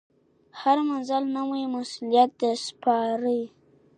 هر منزل نوی مسؤلیت درسپاري,